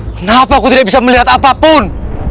kenapa aku tidak bisa melihat apapun